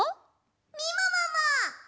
みももも。